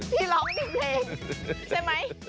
ที่ร้องดินเพลงใช่ไหม